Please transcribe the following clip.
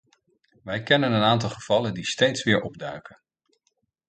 Wij kennen een aantal gevallen die steeds weer opduiken.